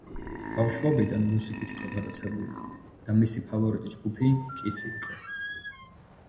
ბავშვობიდან მუსიკით იყო გატაცებული და მისი ფავორიტი ჯგუფი კისი იყო.